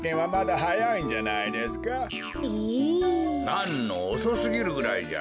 なんのおそすぎるぐらいじゃ。